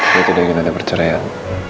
saya tidak ingin ada perceraian